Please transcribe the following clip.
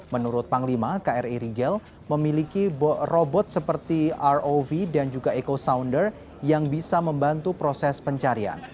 menurut panglima kri rigel memiliki robot seperti rov dan juga eco sounder yang bisa membantu proses pencarian